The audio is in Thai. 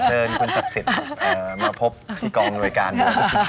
ขอเชิญคุณศักดิ์สิทธิ์มาพบที่กองโรยการด้วย